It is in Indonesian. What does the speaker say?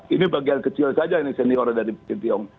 ini bagian kecil saja ini senior dari sintiong